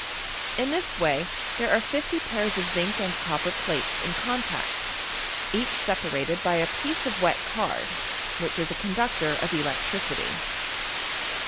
In thk naj there are fifty pairs of zinc and copper plates in oontncty each separated by a piece of wet card, which is a coodnctcM' of electricitr.